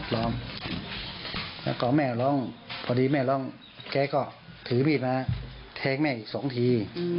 แล้วก็แม่ล้มพอดีแม่ล้มแกก็ถือบีบมาแท้งแม่อีกสองที